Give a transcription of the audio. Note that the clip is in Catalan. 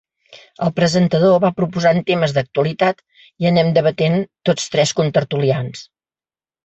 El presentador va proposant temes d’actualitat i anem debatent tots tres contertulians.